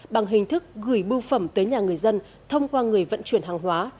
bằng hình thức gửi bưu phẩm tới nhà người dân thông qua người vận chuyển hàng hóa